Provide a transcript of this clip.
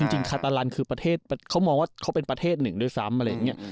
จริงคาตาลันคือประเทศเขามองว่าเขาเป็นประเทศหนึ่งด้วยซ้ำ